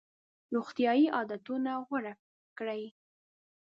روغتیایي عادتونه غوره کړئ.